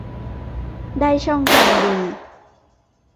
ได้ช่องทางดี